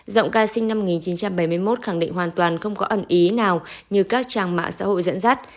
giọng ca sinh năm một nghìn chín trăm bảy mươi một khẳng định hoàn toàn không có ẩn ý nào như các trang mạng xã hội dẫn dắt